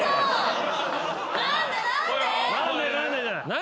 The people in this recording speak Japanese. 何？